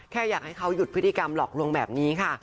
แค่อยากให้เขาหยุดพฤติกรรมหลอกลวงแบบนี้ค่ะ